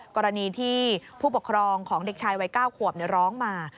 กรณีที่ผู้ปกครองของเด็กชายวัย๙ขวบร้องมา